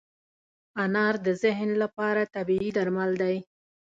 انار د ذهن لپاره طبیعي درمل دی.